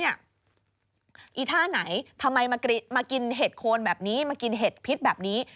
อีท่าไหนทำไมมากินเห็ดโคนแบบนี้มากินเห็ดพิษแบบนี้